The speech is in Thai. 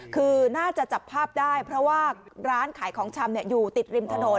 คือน่าจะจับภาพได้เพราะว่าร้านขายของชำอยู่ติดริมถนน